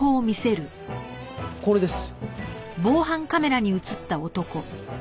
これです。